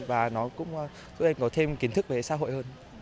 và nó cũng giúp em có thêm kiến thức về xã hội hơn